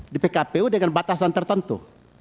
di pkpu dengan batasan tertentu